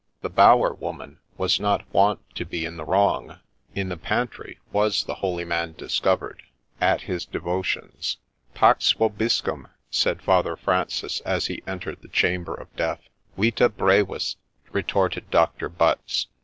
The bower woman was not wont to be in the wrong ; in the pantry was the holy man discovered, — at his devotions. ' Pax vobiscum /' said Father Francis, as he entered the chamber of death. ' Vita brevis I ' retorted Doctor Butts.